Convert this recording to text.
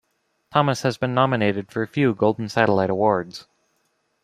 Thomas has been nominated for a few Golden Satellite Awards.